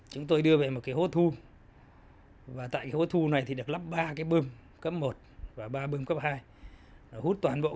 chúng tôi đưa về một hố thu và tại hố thu này thì được lắp ba bơm cấp một và ba bơm cấp hai hút toàn bộ